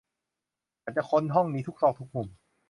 ฉันจะค้นห้องนี้ทุกซอกทุกมุม